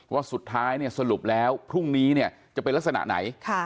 ว่าสุดท้ายสรุปแล้วพรุ่งนี้จะเป็นลักษณะไหน